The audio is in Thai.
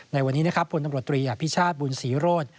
ในวันนี้ผู้นำรวจตรีอภิชาธิ์บุญศรีโรธ